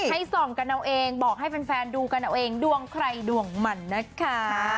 ให้ส่องกันเอาเองบอกให้แฟนดูกันเอาเองดวงใครดวงมันนะคะ